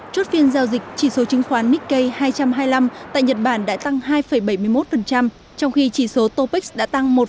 trốt phiên giao dịch chỉ số chứng khoán nikkei hai trăm hai mươi năm tại nhật bản đã tăng hai bảy mươi một trong khi chỉ số topix đã tăng một tám mươi ba